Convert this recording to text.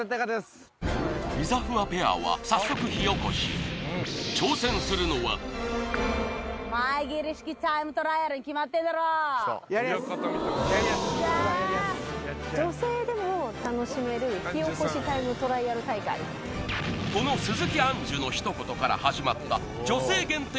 イザフワペアは早速火おこしこの鈴木杏樹のひと言から始まった女性限定